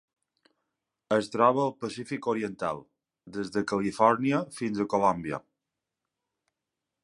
Es troba al Pacífic oriental: des de Califòrnia fins a Colòmbia.